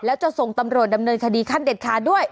แล้วจะส่งตำรวจดำเนินคดีขั้นเด็ดขาดด้วย